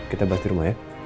kita bahas di rumah ya